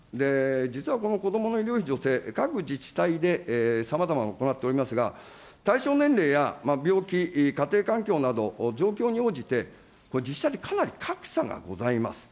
実はこの子どもの医療費助成、各自治体でさまざまに行っておりますが、対象年齢や病気、家庭環境など、状況に応じて、実際にかなり格差がございます。